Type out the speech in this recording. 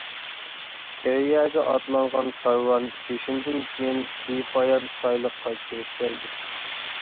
كېرىيەگە ئاتلانغان كارۋان پىشىمدىن كىيىن بىپايان سايلىققا كىرىپ كەلدى.